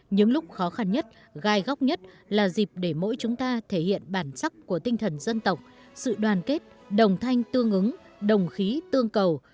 những lúc khó khăn nhất gai góc nhất là dịp để mỗi chúng ta thể hiện bản sắc của tinh thần dân tộc sự đoàn kết đồng thanh tương ứng đồng khí tương cầu